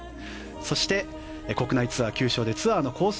そして国内ツアー９勝でツアーのコース